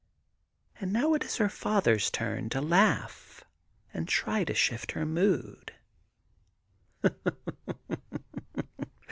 And now it is her father's turn to laugh and try to shift her mood.